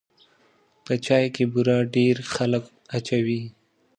په چای کې بوره ډېر خلک اچوي.